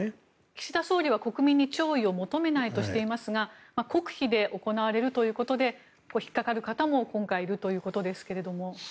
岸田総理は国民に弔意を求めないとしていますが国費で行われるということで引っかかる方も今回はいるということですけれど。